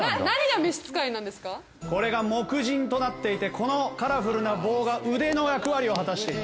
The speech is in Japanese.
これが木人となっていてこのカラフルな棒が腕の役割を果たしている。